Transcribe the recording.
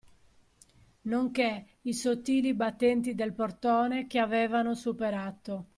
Nonché i sottili battenti del portone che avevano superato.